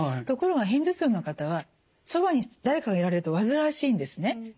ところが片頭痛の方はそばに誰かがいられると煩わしいんですね。